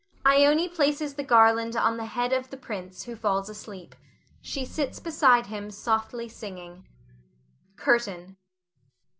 [Ione places the garland on the head of the prince, who falls asleep. She sits beside him softly singing. CURTAIN.